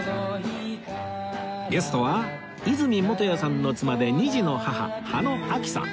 ゲストは和泉元彌さんの妻で２児の母羽野晶紀さん